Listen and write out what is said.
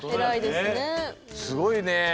すごいね。